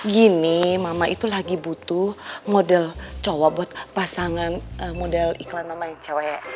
gini mama itu lagi butuh model cowok buat pasangan model iklan namanya cewek